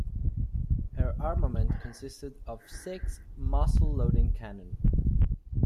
Her armament consisted of six muzzle-loading cannon.